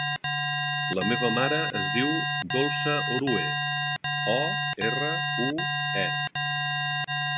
La meva mare es diu Dolça Orue: o, erra, u, e.